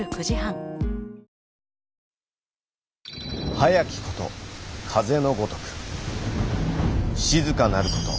疾きこと風のごとく徐かなること